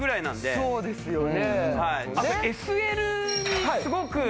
そうですね。